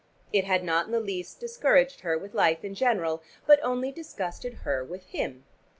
It had not in the least discouraged her with life in general, but only disgusted her with him.